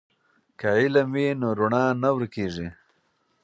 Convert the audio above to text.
که علم وي نو رڼا نه ورکیږي.